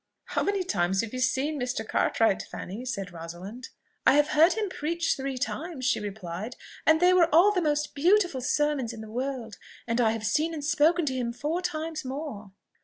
"How many times have you seen Mr. Cartwright, Fanny?" said Rosalind. "I have heard him preach three times," she replied, "and they were all the most beautiful sermons in the world; and I have seen and spoken to him four times more."